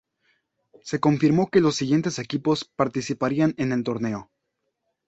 Se confirmó que los siguientes equipos participarán en el torneo.